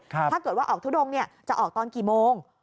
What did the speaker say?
ถ้าเกิดว่าออกทุดงจะออกตอนกี่โมง